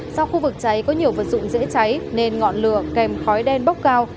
do khu vực cháy có nhiều vật dụng dễ cháy nên ngọn lửa kèm khói đen bốc cao